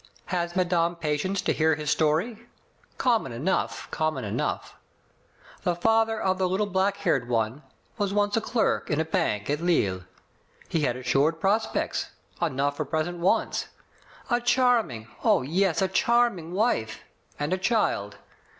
"Has madame patience to hear his story? Common enough, common enough. The father of the little black haired one was once a clerk in a bank at Lille. He had assured prospects, enough for present wants ; a charming — oh ! yeg, a charming wife — and a child.